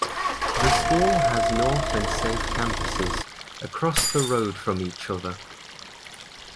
The school has north and south campuses, across the road from each other.